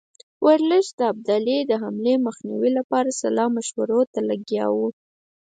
ورلسټ د ابدالي د حملې مخنیوي لپاره سلا مشورو لګیا وو.